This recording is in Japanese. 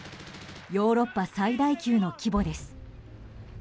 ヨーロッパ最大級の規模です。